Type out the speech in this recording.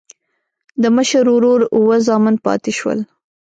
د مشر ورور اووه زامن پاتې شول.